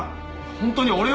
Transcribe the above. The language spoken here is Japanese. ホントに俺は。